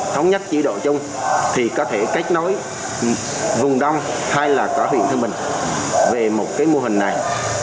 thống nhắc chỉ độ chung thì có thể kết nối vùng đông hay là cả huyện thương bình về một mô hình này